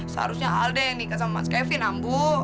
seharusnya alde yang nikah sama mas kevin abu